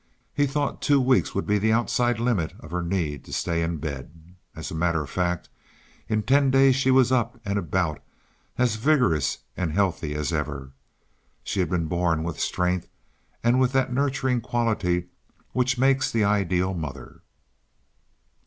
He thought two weeks would be the outside limit of her need to stay in bed. As a matter of fact, in ten days she was up and about, as vigorous and healthy as ever. She had been born with strength and with that nurturing quality which makes the ideal mother.